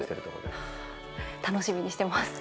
楽しみにしてます。